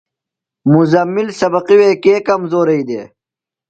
مزمل سبقیۡ وے کے کمزورئی دےۡ؟